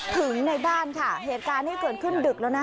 ถึงในบ้านค่ะเหตุการณ์นี้เกิดขึ้นดึกแล้วนะ